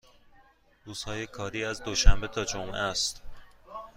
روزهای کاری از دوشنبه تا جمعه است.